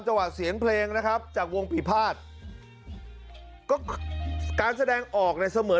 จังหวัดเสียงเพลงนะครับจากวงปีภาทก็การแสดงออกในเสมือน